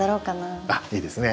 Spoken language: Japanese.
あっいいですね。